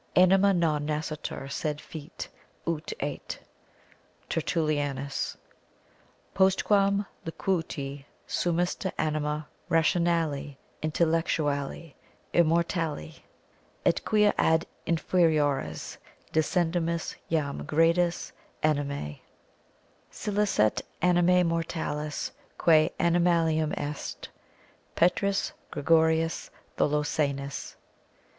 "Anima non nascitur sed fit," ut ait. TERTULLIANUS. "Post quam loquuti sumus de anima rationali, intellectuali (immortali) et quia ad inferiores descendimus jam gradus animæ, scilicet animæ mortalis quæ animalium est." PETRUS GREGORIUS THOLOSANUS.